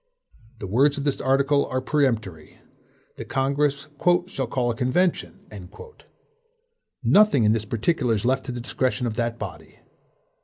The words of this article are peremptory. The Congress "shall call a convention." Nothing in this particular is left to the discretion of that body.